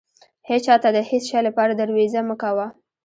هيچا ته د هيڅ شې لپاره درويزه مه کوه.